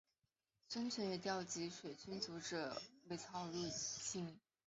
孙权也调集水军阻止曹魏入侵。